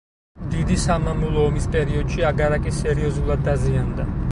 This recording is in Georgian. დიდი სამამულო ომის პერიოდში აგარაკი სერიოზულად დაზიანდა.